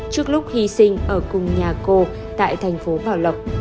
trước lúc hy sinh ở cùng nhà cô tại thành phố bảo lộc